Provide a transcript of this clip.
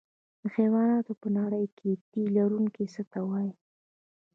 د حیواناتو په نړۍ کې تی لرونکي څه ته وایي